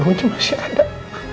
mama masih ada